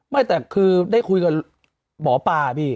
ไม่แต่คือได้คุยกับหมอปลาพี่